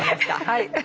はい。